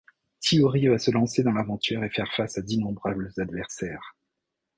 Tiuri va se lancer dans l'aventure et faire face à d'innombrables adversaires…